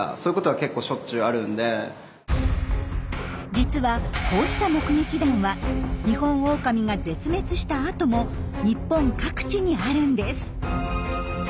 実はこうした目撃談はニホンオオカミが絶滅したあとも日本各地にあるんです。